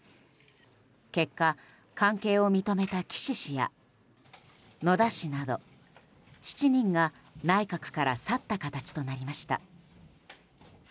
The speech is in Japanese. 結果、関係を認めた岸氏や野田氏など７人が内閣から去った形となりました。